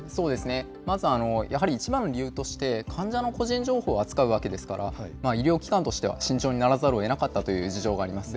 まず、やはり一番の理由として、患者の個人情報を扱うわけですから、医療機関としては慎重にならざるをえなかったという事情があります。